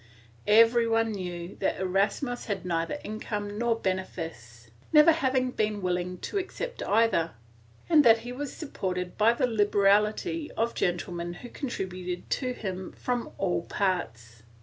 Everyone knew that Erasmus had neither income nor benefice, never having been willing to accept either, and that he was supported by the liberality of gentlemen who contributed to him from all parts.